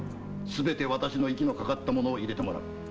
すべてワシの息のかかった者を入れてもらう。